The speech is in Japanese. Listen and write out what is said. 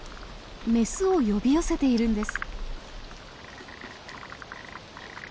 メスを呼び寄せているんです。